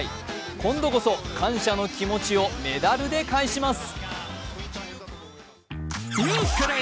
今度こそ感謝の気持ちをメダルで返します。